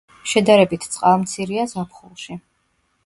შედარებით წყალმცირეა ზაფხულში.